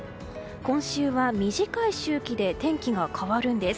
今週は短い周期で天気が変わるんです。